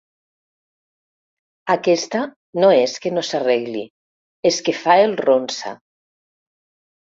Aquesta no és que no s'arregli, és que fa el ronsa.